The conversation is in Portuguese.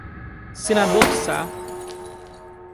Senador Sá